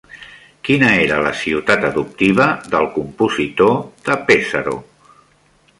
Quina era la ciutat adoptiva del compositor de Pesaro?